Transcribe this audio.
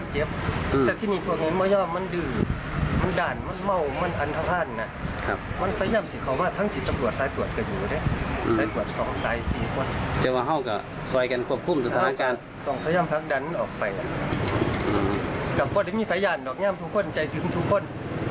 แจ้งทุกคนแจ้งทุกคน